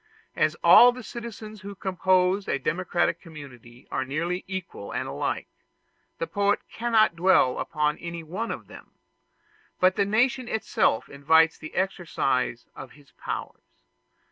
As all the citizens who compose a democratic community are nearly equal and alike, the poet cannot dwell upon any one of them; but the nation itself invites the exercise of his powers.